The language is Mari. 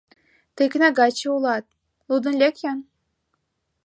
— Тый кнагаче улат, лудын лек-ян.